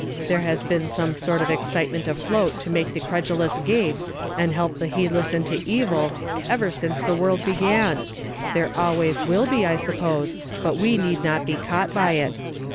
There has been some sort of excitement afloat to make the credulous gape, and help the heedless into evil, ever since tlie world began ; there always will be, I suppose, bat we need not be caught by it.